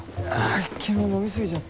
昨日飲み過ぎちゃって。